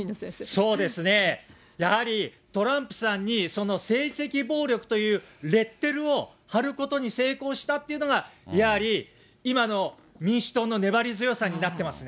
そうですね、やはりトランプさんにその政治的暴力というレッテルを貼ることに成功したっていうのが、やはり今の民主党の粘り強さになってます